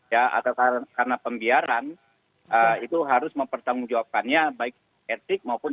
ya atau karena pembiaran itu harus mempertanggungjawabkannya baik etik maupun